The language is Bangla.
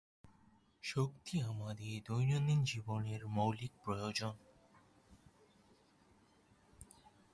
শক্তি আমাদের দৈনন্দিন জীবনের মৌলিক প্রয়োজন।